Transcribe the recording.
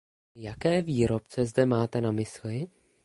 Jaké výrobce zde máte na mysli?